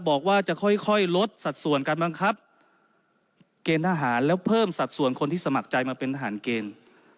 บอกว่าจะค่อยลดสัดส่วนการบังคับเกณฑ์ทหารแล้วเพิ่มสัดส่วนคนที่สมัครใจมาเป็นทหารเกณฑ์